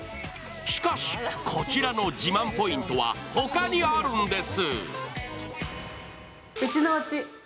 しかし、こちらの自慢ポイントは他にあるんです。